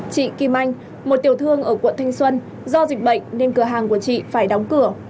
chị kim anh một tiểu thương ở quận thanh xuân do dịch bệnh nên cửa hàng của chị phải đóng cửa